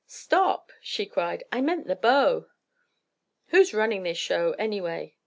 "Stop," she cried. "I meant the bow." "Who's running this show, any way?"